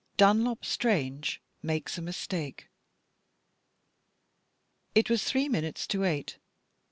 DUNLOP STRANGE MAKES A MISTAKE. It was three minutes to eight.